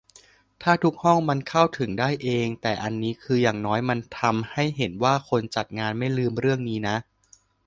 ถ้าทุกห้องมันเข้าถึงได้เอง แต่อันนี้คืออย่างน้อยมันทำให้เห็นว่า คนจัดงานไม่ลืมเรื่องนี้นะ